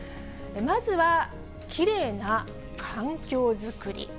まずは、きれいな環境作り。